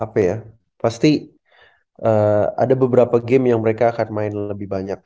ya apa ya pasti ada beberapa game yang mereka akan main lebih banyak